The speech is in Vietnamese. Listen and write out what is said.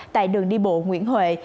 tại đường đi bộ nguyễn huệ